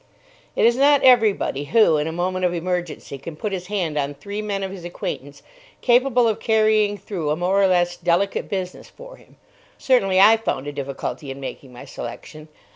It is not everybody who, in a moment of emergency, can put his hand on three men of his acquaintance capable of carrying through a more or less delicate business for him. Certainly I found a difficulty in making my selection.